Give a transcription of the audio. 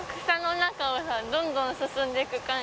中をさどんどん進んでいく感じ